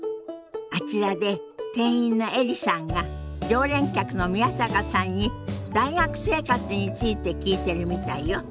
あちらで店員のエリさんが常連客の宮坂さんに大学生活について聞いてるみたいよ。